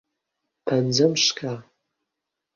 پەنجەم شکا.